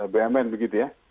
bumn begitu ya